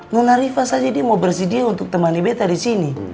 nunarifah saja dia mau bersedia untuk temani beta di sini